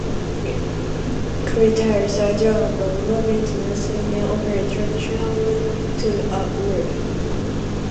Clay tiles are durable, low-maintenance, and offer a traditional look to a roof.